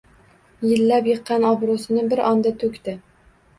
Yillab yiqqan obroʻsini bir onda toʻkdi.